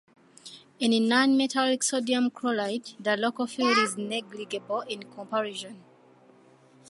In nonmetallic sodium chloride the local field is negligible in comparison.